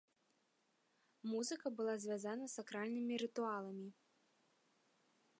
Музыка была звязана з сакральнымі рытуаламі.